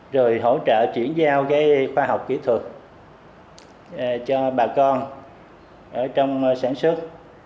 rồi hỗ trợ chuyển giao cái khoa học kỹ thuật cho bà con ở trong sản xuất